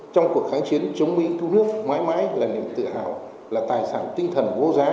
trong cuộc kháng chiến chống mỹ cứu nước mãi mãi là niềm tự hào là tài sản tinh thần vô giá